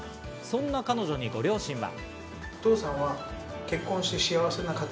そんな彼女にご両親は。